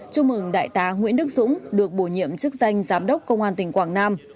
chúc mừng đại tá nguyễn đức dũng được bổ nhiệm chức danh giám đốc công an tỉnh quảng nam